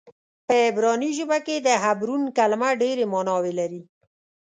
په عبراني ژبه کې د حبرون کلمه ډېرې معناوې لري.